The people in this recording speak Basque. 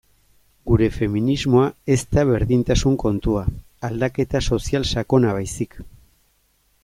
Gure feminismoa ez da berdintasun kontua, aldaketa sozial sakona baizik.